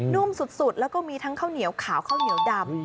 นุ่มสุดแล้วก็มีทั้งข้าวเหนียวขาวข้าวเหนียวดำ